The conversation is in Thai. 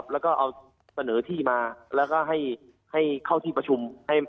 แล้วก็เอาเสนอที่มาแล้วก็ให้เข้าที่ประชุม